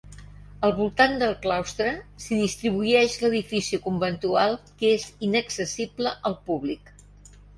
Al voltant del claustre s'hi distribueix l'edifici conventual que és inaccessible al públic.